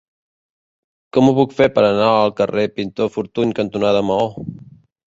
Com ho puc fer per anar al carrer Pintor Fortuny cantonada Maó?